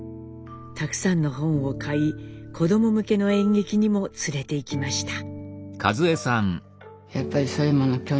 たくさんの本を買い子ども向けの演劇にも連れて行きました。